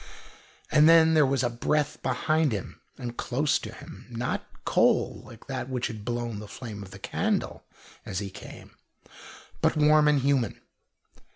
And then there was a breath behind him and close to him, not cold like that which had blown the flame of the candle as he came, but warm and human.